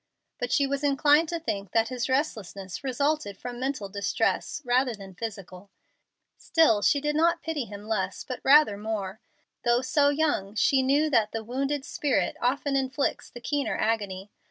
But she was inclined to think that his restlessness resulted from mental distress rather than physical. Still she did not pity him less, but rather more. Though so young, she knew that the "wounded spirit" often inflicts the keener agony.